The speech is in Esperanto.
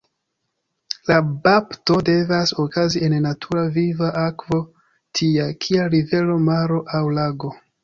La bapto devas okazi en natura viva akvo tia, kiel rivero, maro, aŭ lago.